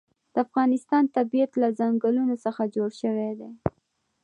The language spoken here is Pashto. د افغانستان طبیعت له ځنګلونه څخه جوړ شوی دی.